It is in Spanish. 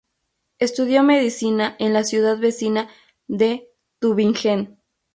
Estudió medicina en la ciudad vecina de Tübingen.